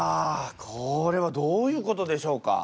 これはどういうことでしょうか？